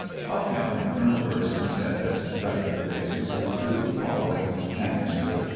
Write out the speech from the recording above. Of him, Colonel Persons says, (Record, p. 602 and following; manuscript, p.